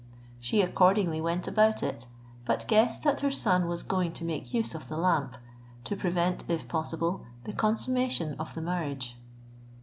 She accordingly went about it, but guessed that her son was going to make use of the lamp, to prevent, if possible, the consummation of the marriage.